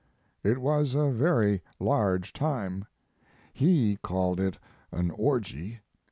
It was a very large time. He called it an orgy.